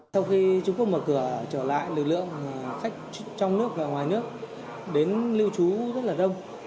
sau khi trung quốc mở cửa trở lại lực lượng khách trong nước và ngoài nước đến lưu trú rất là đông